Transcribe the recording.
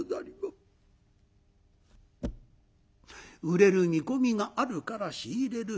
売れる見込みがあるから仕入れる。